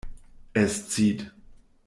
Es zieht.